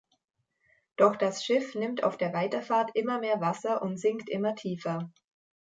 Doch das Schiff nimmt auf der Weiterfahrt immer mehr Wasser und sinkt immer tiefer.